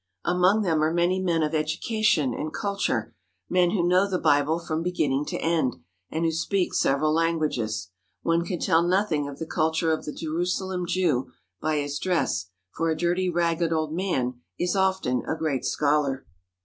Among them are many men of education and culture, men who know the Bible from beginning to end, and who speak several languages. One can tell nothing of the culture of the Jerusalem Jew by his dress, for a dirty, ragged old man is often a great scholar.